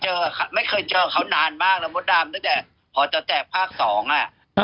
ฉะนั้นไม่เคยเจอเขานานมากแล้วพอจะแตกภาค๒อ่ะ